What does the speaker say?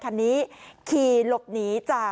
กลุ่มตัวเชียงใหม่